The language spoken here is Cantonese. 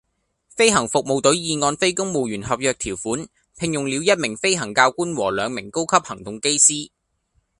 飛行服務隊已按非公務員合約條款聘用了一名飛行教官和兩名高級行動機師